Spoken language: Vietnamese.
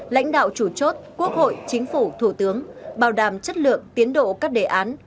lãnh đạo chủ chốt quốc hội chính phủ thủ tướng bảo đảm chất lượng tiến độ các đề án